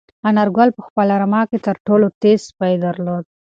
انارګل په خپله رمه کې تر ټولو تېز سپی درلود.